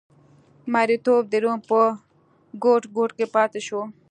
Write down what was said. مریتوب د روم په ګوټ ګوټ کې پاتې شو.